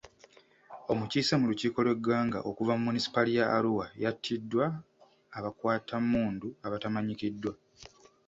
Omukiise mu lukiiko lw'eggwanga okuva mu Munisipaali ya Arua yatiddwa abakwatammundu abatamanyikiddwa.